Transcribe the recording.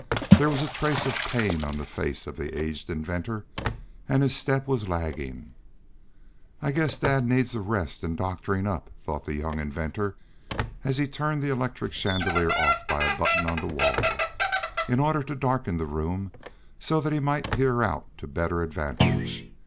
There was a trace of pain on the face of the aged inventor, and his step was lagging. "I guess dad needs a rest and doctoring up," thought the young inventor as he turned the electric chandelier off by a button on the wall, in order to darken the room, so that he might peer out to better advantage.